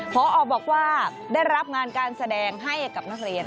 พอบอกว่าได้รับงานการแสดงให้กับนักเรียน